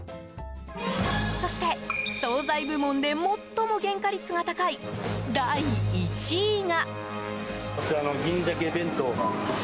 そして、総菜部門で最も原価率が高い第１位が。